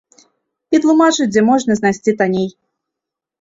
І тлумачыць, дзе можна знайсці танней.